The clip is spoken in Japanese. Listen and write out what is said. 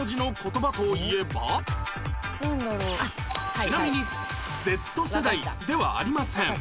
ちなみに Ｚ 世代ではありません